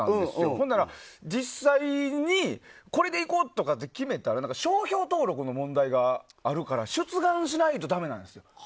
そんなら、実際にこれでいこう！って決めたら商標登録の問題があるから出願しないとだめなんです。